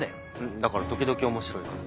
だから時々面白いから。